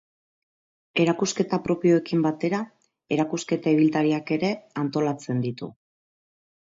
Erakusketa propioekin batera erakusketa ibiltariak ere antolatzen ditu.